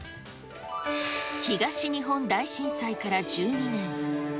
東日本大震災から１２年。